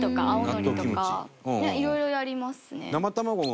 いろいろやりますね。